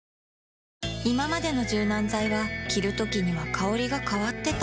いままでの柔軟剤は着るときには香りが変わってた